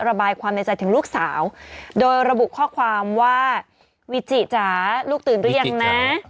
ระบายความในใจถึงลูกสาวโดยระบุข้อความว่าวิจิจ๋าลูกตื่นหรือยังนะ